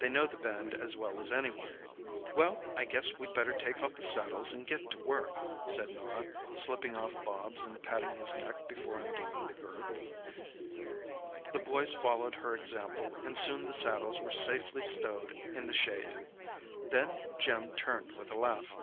They know the Bend as well as any one." "Well, I guess we'd better take off the saddles and get to work," said Norah, slipping off Bobs and patting his neck before undoing the girth. The boys followed her example and soon the saddles were safely stowed in the shade. Then Jim turned with a laugh.